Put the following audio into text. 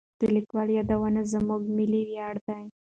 د لیکوالو یادونه زموږ ملي ویاړ دی.